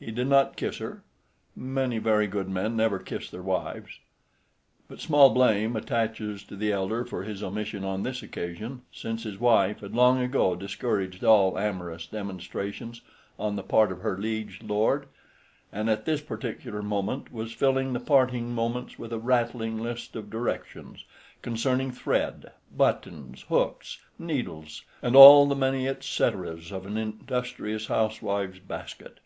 He did not kiss her. Many very good men never kiss their wives. But small blame attaches to the elder for his omission on this occasion, since his wife had long ago discouraged all amorous demonstrations on the part of her liege lord, and at this particular moment was filling the parting moments with a rattling list of directions concerning thread, buttons, hooks, needles, and all the many etceteras of an industrious housewife's basket.